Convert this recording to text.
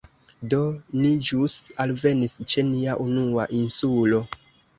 Do, ni ĵus alvenis ĉe nia unua insulo